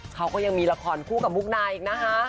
เขาก็ยังมีละครคู่กับมุกดาอีกนะคะ